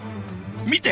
見て！